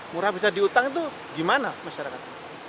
murah bisa diutang itu gimana masyarakat